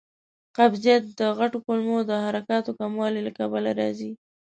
قبضیت د غټو کولمو د حرکاتو کموالي له کبله راځي.